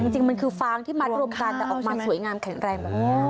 จริงมันคือฟางที่มัดรวมกันแต่ออกมาสวยงามแข็งแรงแบบนี้